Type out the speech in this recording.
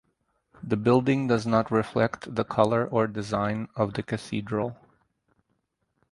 The building does not reflect the color or design of the Cathedral.